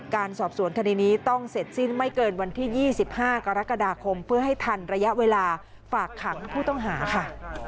การสอบสวนคดีนี้ต้องเสร็จสิ้นไม่เกินวันที่๒๕กรกฎาคมเพื่อให้ทันระยะเวลาฝากขังผู้ต้องหาค่ะ